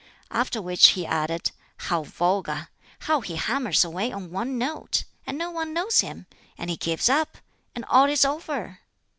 After which he added, "How vulgar! how he hammers away on one note! and no one knows him, and he gives up, and all is over!